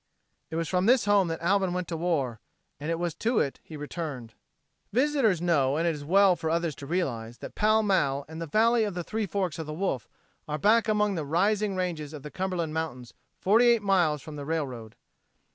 It was from this home that Alvin went to war, and it was to it he returned. Visitors know, and it is well for others to realize, that Pall Mall and the "Valley of the Three Forks o' the Wolf" are back among the rising ranges of the Cumberland Mountains forty eight miles from the railroad.